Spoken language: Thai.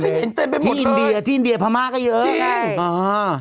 เปลี่ยนเต็มไปหมดครับที่อินเดียที่อินเดียพะมาก็เยอะใช่